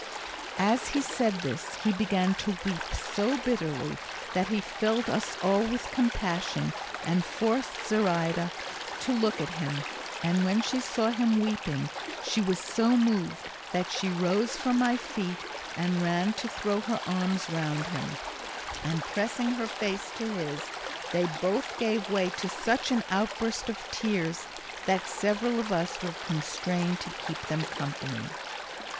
As he said this he began to weep so bitterly that he filled us all with compassion and forced Zoraida to look at him, and when she saw him weeping she was so moved that she rose from my feet and ran to throw her arms round him, and pressing her face to his, they both gave way to such an outburst of tears that several of us were constrained to keep them company.